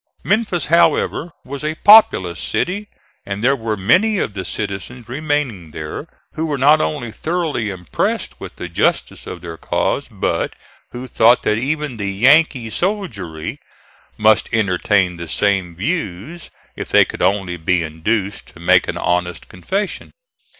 Memphis, however, was a populous city, and there were many of the citizens remaining there who were not only thoroughly impressed with the justice of their cause, but who thought that even the "Yankee soldiery" must entertain the same views if they could only be induced to make an honest confession.